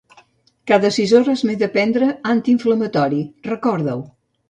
Cada sis hores m'he de prendre antiinflamatori, recorda-ho.